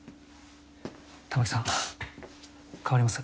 たまきさん代わります。